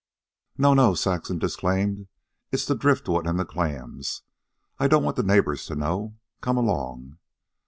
"No, no," Saxon disclaimed. "It's the driftwood and the clams. I don't want the neighbors to know. Come along."